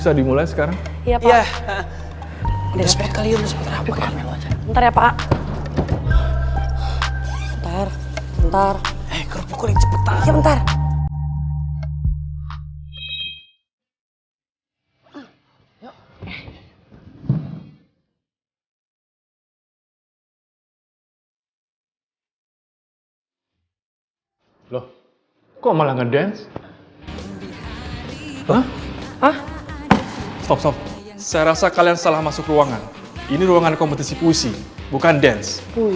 saya rasa kalian salah masuk ruangan ini ruangan kompetisi puisi bukan dance